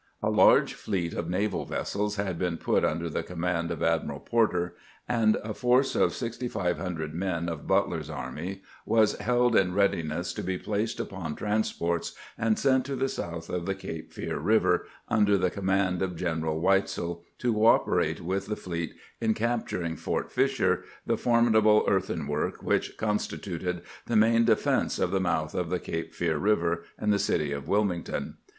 A large fleet of naval vessels had been put under the command of Admiral Porter, and a force of 6500 men of Butler's 336 PLANNING THE MUST FORT FISHER EXPEDITION 337 army was held in readiness to be placed upon transports and sent to the mouth of the Cape Fear River, under the command of General Weitzel, to cooperate with the fleet in capturing Fort Fisher, the formidable earthwork which constituted the main defense of the mouth of the Cape Fear River and the city of Wilmington.